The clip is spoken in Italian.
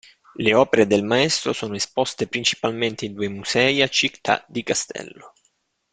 Le opere del Maestro sono esposte principalmente in due musei a Città di Castello.